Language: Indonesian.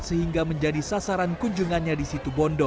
sehingga menjadi sasaran kunjungannya di situ bondo